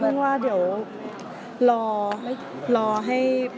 จริงมันว่าเดียวรอรอให้